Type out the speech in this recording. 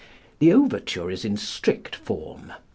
The overture is in strict form.